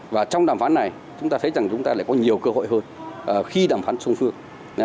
và trong đàm phán này chúng ta thấy rằng chúng ta lại có nhiều cơ hội hơn khi đàm phán song phương